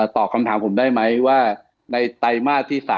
ตอบคำถามผมได้ไหมว่าในไตรมาสที่๓